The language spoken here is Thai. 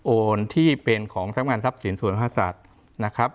โอนที่เป็นของทรัพย์งานทรัพย์สินส่วนภาษานะครับ